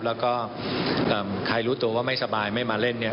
แล้วก็ใครรู้ตัวว่าไม่สบายไม่มาเล่นเนี่ย